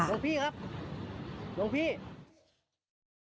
ร่งพี่ครับ